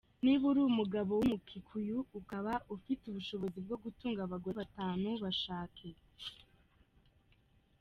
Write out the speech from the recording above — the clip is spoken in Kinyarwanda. Niba uri umugabo w’Umu-Kikuyu ukaba ufite ubushobozi bwo gutunga abagore batanu, bashake.